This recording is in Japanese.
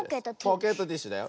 ポケットティッシュだよ。